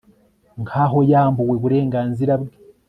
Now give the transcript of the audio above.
Nkaho yambuwe uburenganzira bwe